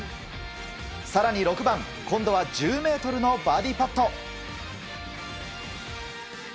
更に６番、今度は１０ｍのバーディーパット。